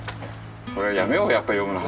これやめようやっぱ読むの。